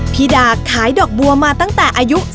พี่ดาขายดอกบัวมาตั้งแต่อายุ